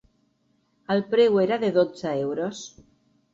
El preu era de dotze euros.